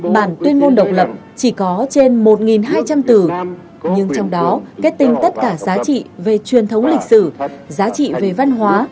bản tuyên ngôn độc lập chỉ có trên một hai trăm linh từ nhưng trong đó kết tinh tất cả giá trị về truyền thống lịch sử giá trị về văn hóa